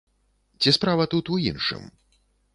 Ці справа тут у іншым?